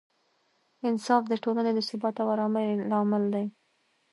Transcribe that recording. انصاف د ټولنې د ثبات او ارامۍ لامل دی.